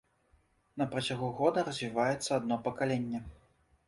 На працягу года развіваецца адно пакаленне.